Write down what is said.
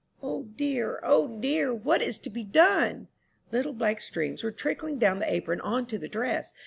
"O, dear, O dear! What is to be done?" Little black streams were trickling down the apron on to the dress.